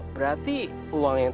berarti uang yang